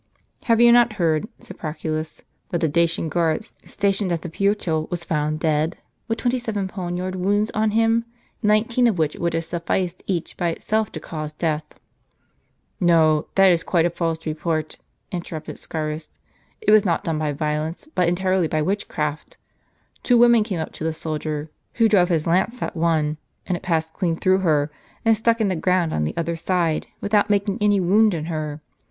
"Have you not heard," said Proculus, "that the Dacian guard stationed at the Puteal was found dead, with twenty seven poniard wounds on him, nineteen of which would have sufficed each bv itself to cause death ?" ^:l "No, that is quite a false report," interrupted Scaurus; " it was not done by violence, but entirely by witchcraft. Two women came up to the soldier, who drove his lance at one, and it passed clean through her, and stuck in the ground on the other side, without making any wound in her.